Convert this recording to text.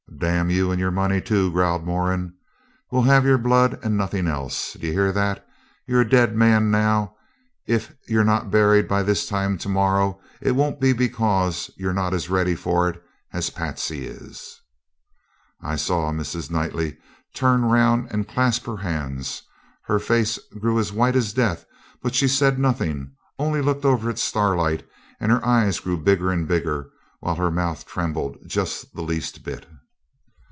'D n you and your money too,' growled Moran. 'We'll have your blood, and nothing else. D'ye hear that? You're a dead man now; if you're not buried by this time to morrow, it won't be because you're not as ready for it as Patsey is.' I saw Mrs. Knightley turn round and clasp her hands; her face grew as white as death, but she said nothing, only looked over at Starlight, and her eyes grew bigger and bigger, while her mouth trembled just the least bit.